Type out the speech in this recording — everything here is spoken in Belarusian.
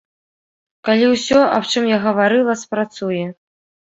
Калі ўсё, аб чым я гаварыла, спрацуе.